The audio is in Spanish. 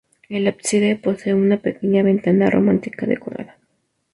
El ábside posee una pequeña ventana románica decorada.